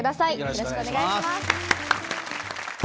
よろしくお願いします。